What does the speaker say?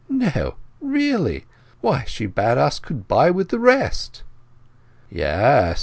"No! Really! Why, she bade us goodbye with the rest—" "Yes.